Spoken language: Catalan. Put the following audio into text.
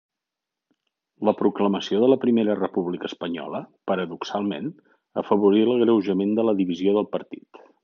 La proclamació de la Primera República Espanyola, paradoxalment, afavorí l'agreujament de la divisió del partit.